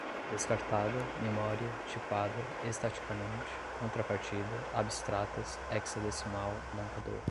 descartada, memória, tipada, estaticamente, contrapartida, abstratas, hexadecimal, montador